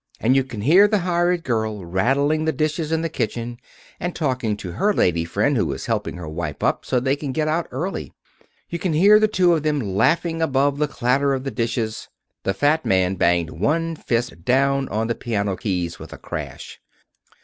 And you can hear the hired girl rattling the dishes in the kitchen, and talking to her lady friend who is helping her wipe up so they can get out early. You can hear the two of them laughing above the clatter of the dishes " The fat man banged one fist down on the piano keys with a crash.